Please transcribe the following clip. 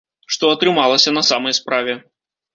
Што атрымалася на самай справе?